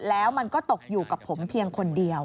แล้วมันก็ตกอยู่กับผมเพียงคนเดียว